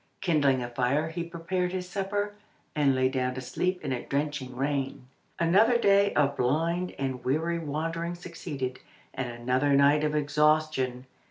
Kindling a fire he prepared his supper, and lay down to sleep in a drenching rain. Another day of blind and weary wandering succeeded, and another night of exhaustion.